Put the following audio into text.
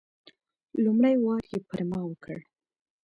لومړی وار یې پر ما وکړ.